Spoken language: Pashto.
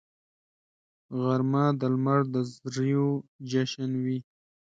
غرمه د لمر د زریو جشن وي